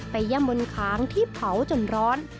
ย่ำบนค้างที่เผาจนร้อน